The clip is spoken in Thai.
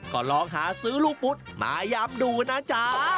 ก็ลองหาซื้อลูกปุ๊ดมายำดูนะจ๊ะ